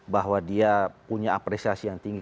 bahwa dia punya apresiasi yang tinggi